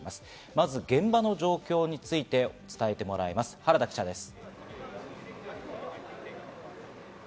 まず現場の状況について伝えてもらいます、原田記者です。